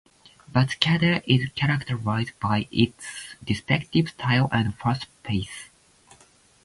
Batucada is characterized by its repetitive style and fast pace.